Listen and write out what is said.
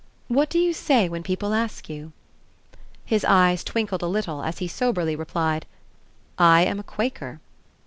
What do you say when people ask you?" His eyes twinkled a little as he soberly replied: "I am a Quaker."